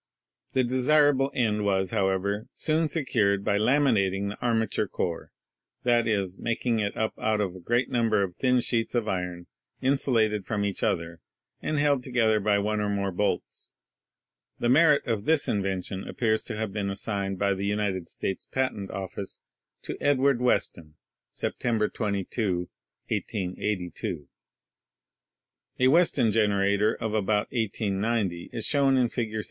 The desirable end was, however, soon secured by "lami nating the armature core" — that is, making it up out of a great number of thin sheets of iron insulated from each other and held together by one or more bolts. The merit of this invention appears to have ben assigned by the United States Patent Office to Edward Weston, September 22, 1882. A Weston generator of about 1890 is shown in Fig.